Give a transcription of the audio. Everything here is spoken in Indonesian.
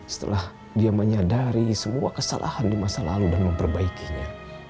setelah dia menyadari semua kesalahan di masa lalu dan memperbaikinya